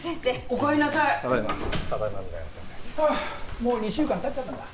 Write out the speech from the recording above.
もう２週間経っちゃったんだ。